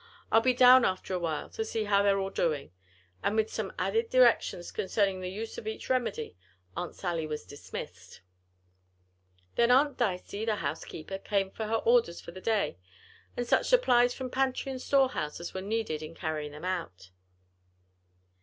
I'll be down after a while, to see how they are all doing," and with some added directions concerning the use of each remedy, Aunt Sally was dismissed. Then Aunt Dicey, the housekeeper, came for her orders for the day, and such supplies from pantry and storehouse as were needed in carrying them out.